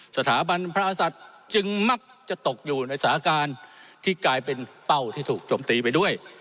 สถาบันพระอสัตว์จึงมักจะตกอยู่ในสาการที่กลายเป็นเป้าที่ถูกจมตีไปด้วย